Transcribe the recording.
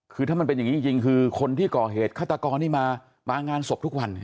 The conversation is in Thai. คือถ้ามันเป็นอย่างนี้จริงคือคนที่ก่อเหตุฆาตกรนี่มางานศพทุกวัน